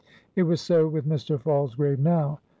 It was so with Mr. Falsgrave now.